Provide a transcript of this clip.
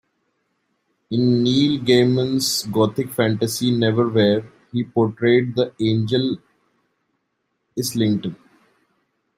In Neil Gaiman's gothic fantasy "Neverwhere", he portrayed the angel Islington.